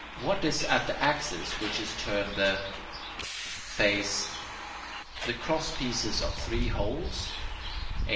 What is at the axis which is termed the... face... the crosspieces of three holes? 8.